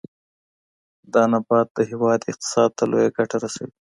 دا نبات د هېواد اقتصاد ته لویه ګټه رسوي.